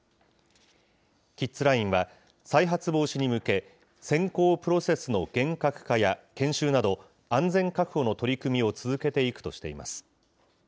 キッズラインは、再発防止に向け、選考プロセスの厳格化や研修など、安全確保の取り組みを続けていくとしています。